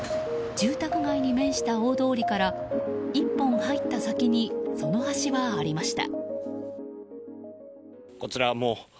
住宅街に面した大通りから１本入った先にその橋はありました。